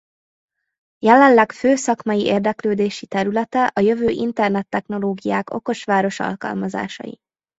Jelenleg fő szakmai érdeklődési területe a jövő internet technológiák okos város alkalmazásai.